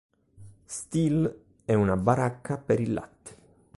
Steele e una baracca per il latte.